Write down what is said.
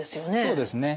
そうですね。